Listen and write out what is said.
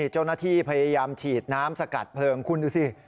เจ้าหน้าที่พยายามฉีดน้ำสกัดเพลิงคุณดูสิ